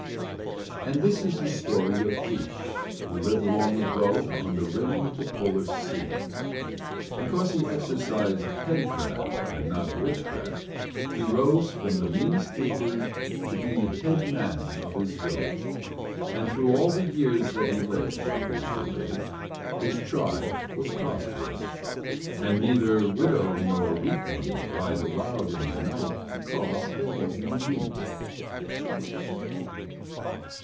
And this is the story of Keesh, who lived long ago on the rim of the polar sea. Because he exercised headcraft and not witchcraft, he rose from the meanest igloo to be head man of his village, and through all the years that he lived, it is related, his tribe was prosperous, and neither widow nor weak one cried aloud in the night because there was no meat.